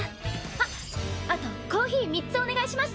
あっあとコーヒー３つお願いします。